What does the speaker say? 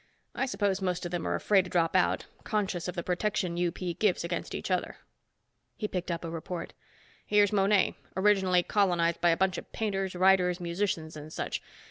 I suppose most of them are afraid to drop out, conscious of the protection UP gives against each other." He picked up a report. "Here's Monet, originally colonized by a bunch of painters, writers, musicians and such.